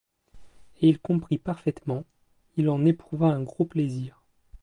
Et il comprit parfaitement, il en éprouva un gros plaisir.